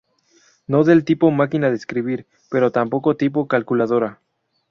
No del tipo máquina de escribir, pero tampoco tipo calculadora.